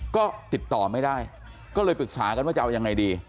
ก็ติดต่อไม่ได้ก็เลยปรึกษากันว่าจะเอายังไงดี